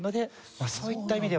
そういった意味ではですね